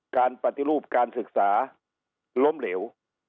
การปฏิรูปการศึกษาล้มเหลว